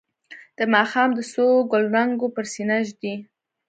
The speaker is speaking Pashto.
د ماښام د څو ګلرنګو پر سینه ږدي